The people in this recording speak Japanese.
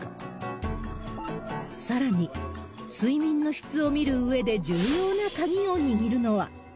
さらに、睡眠の質を見るうえで重要な鍵を握るのは。